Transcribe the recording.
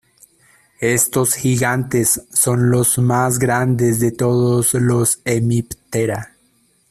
Estos gigantes son los más grandes de todos los Hemiptera.